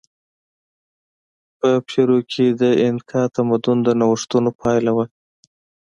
په پیرو کې د اینکا تمدن د نوښتونو پایله وه.